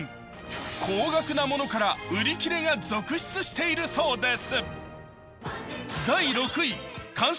高額なものから売り切れが続出しているそうです。